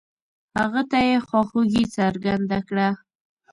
هغه ته يې خواخوږي څرګنده کړه.